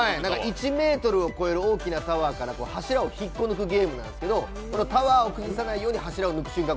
１ｍを越える大きなタワーから柱を引っこ抜くゲームなんですけどタワーを崩さないように柱を抜く瞬間